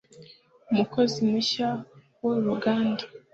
umukozi mushya wuru ruganda